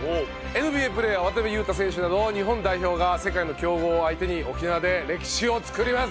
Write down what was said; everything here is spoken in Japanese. ＮＢＡプレーヤー渡邊雄太選手など日本代表が世界の強豪を相手に沖縄で歴史を作ります。